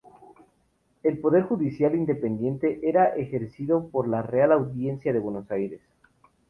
El Poder Judicial, independiente, era ejercido por la Real Audiencia de Buenos Aires.